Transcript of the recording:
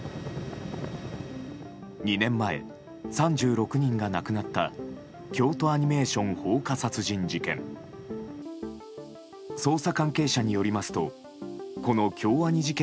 ２年前、３６人が亡くなった京都アニメーション放火殺人事件。